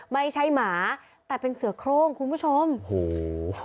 ไม่ใช่หมาแต่เป็นเสือโครงคุณผู้ชมโอ้โห